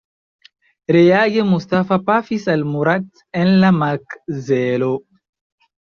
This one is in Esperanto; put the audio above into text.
Reage, Mustafa pafis al Murat en la makzelo.